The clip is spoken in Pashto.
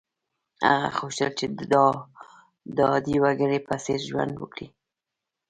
هغه غوښتل چې د عادي وګړي په څېر ژوند وکړي.